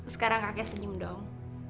sekarang kakek senyum dong